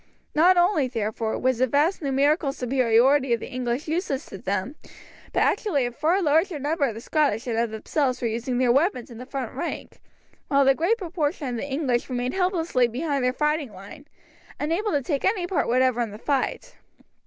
Not only, therefore, was the vast numerical superiority of the English useless to them, but actually a far larger number of the Scottish than of themselves were using their weapons in the front rank, while the great proportion of the English remained helplessly behind their fighting line, unable to take any part whatever in the fight.